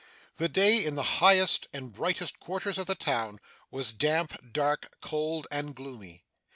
The day, in the highest and brightest quarters of the town, was damp, dark, cold and gloomy.